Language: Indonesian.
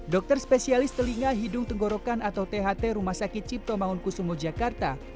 dokter spesialis telinga hidung tenggorokan atau tht rumah sakit ciptomaungkusumo jakarta